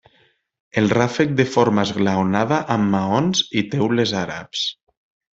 El ràfec de forma esglaonada amb maons i teules àrabs.